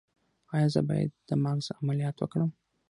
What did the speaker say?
ایا زه باید د مغز عملیات وکړم؟